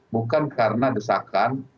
bukan karena desakan